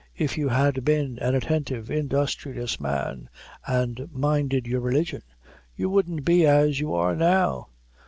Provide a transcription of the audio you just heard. If you had been an attentive, industrious man, an' minded your religion, you wouldn't be as you are now.